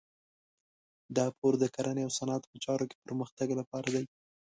دا پور د کرنې او صنعت په چارو کې پرمختګ لپاره دی.